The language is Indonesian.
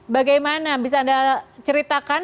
bagaimana bisa anda ceritakan